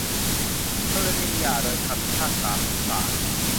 กรณีหย่าโดยคำพิพากษาของศาล